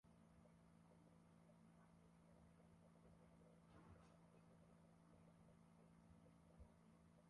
viongozi hao wa kambi ya upinzani wametoa fursa hiyo